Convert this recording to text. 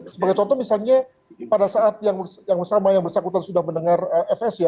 sebagai contoh misalnya pada saat yang sama yang bersangkutan sudah mendengar fs ya